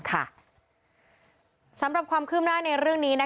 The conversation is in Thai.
สำหรับความขึ้มหน้าในเรื่องนี้